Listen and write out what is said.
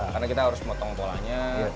karena kita harus memotong polanya